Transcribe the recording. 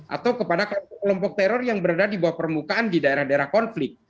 atau kepada kelompok teror yang berada di bawah permukaan di daerah daerah konflik